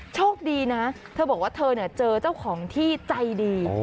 โชคดีนะเธอบอกว่าเธอเจอเจ้าของที่ใจดี